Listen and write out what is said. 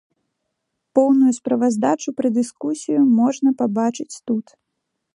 Поўную справаздачу пра дыскусію можна пабачыць тут.